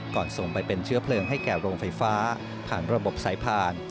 ส่งไปเป็นเชื้อเพลิงให้แก่โรงไฟฟ้าผ่านระบบสายผ่าน